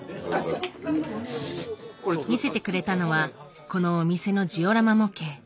見せてくれたのはこのお店のジオラマ模型。